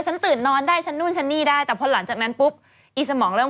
ฉันตื่นนอนได้ฉันนู่นฉันนี่ได้แต่พอหลังจากนั้นปุ๊บอีสมองเริ่ม